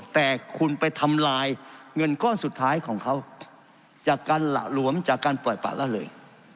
แต่คุณไปทำลายเงินก้อนสุดท้ายของเขาจากการหละหลวมจากการปล่อยปะละเลย